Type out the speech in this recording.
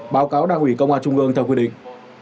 báo cáo đảng ủy công an trung ương theo quy định